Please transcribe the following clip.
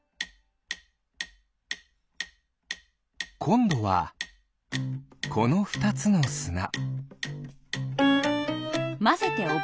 こんどはこのふたつのすな。